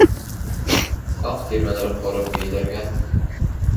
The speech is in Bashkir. Аҡ тирмәләр ҡороп йәйләргә.